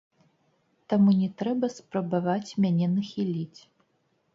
Таму не трэба спрабаваць мяне нахіліць!